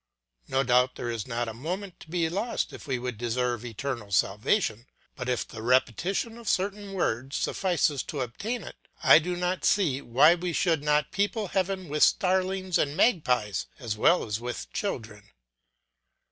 No doubt there is not a moment to be lost if we would deserve eternal salvation; but if the repetition of certain words suffices to obtain it, I do not see why we should not people heaven with starlings and magpies as well as with children.